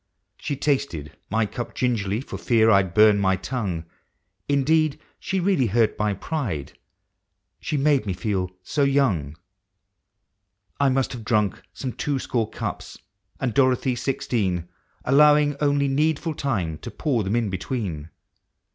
She tasted my cup gingerly, for fear I'd burn my tongue ; Indeed, she really hurt my pride — she made me feel so young. I must have drunk some twoscore cups, and Doro thy sixteen, •18 POEMS OF HOME, Allowing only needful time to pour them in be tween.